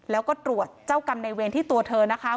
แล้วก็ตรวจเจ้ากรรมในเวรที่ตัวเธอนะคะ